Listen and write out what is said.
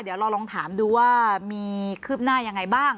เดี๋ยวเราลองถามดูว่ามีคืบหน้ายังไงบ้าง